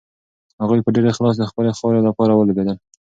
هغوی په ډېر اخلاص د خپلې خاورې لپاره ولوبېدل.